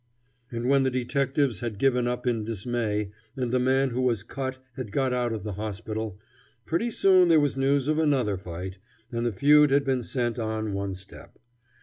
And when the detectives had given up in dismay and the man who was cut had got out of the hospital, pretty soon there was news of another fight, and the feud had been sent on one step.